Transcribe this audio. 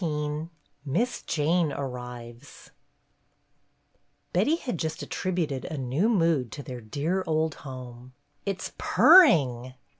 XIV MISS JANE ARRIVES B etty had just attributed a new mood to their dear old home. " It 's purring